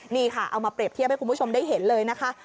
นี่ค่ะเอามาเปรียบเทียบให้คุณผู้ชมได้เห็นเลยนะคะ